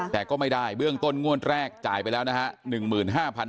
แต่ก็ไม่ได้เบื้องต้นงวดแรกจ่ายไปแล้วนะฮะ